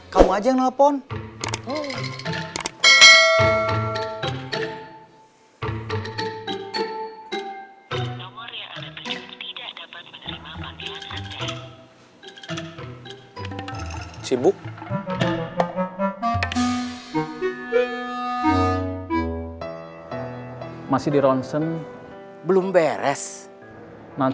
kamu aja yang ngelepon